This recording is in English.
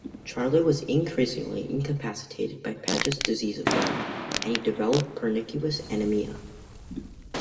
Charlotte was increasingly incapacitated by Paget's disease of bone, and he developed pernicious anaemia.